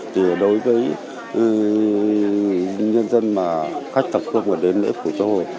thì đối với nhân dân mà khách tập quốc và đến lễ phủ châu hồi